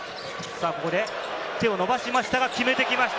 手を伸ばしましたが決めてきました。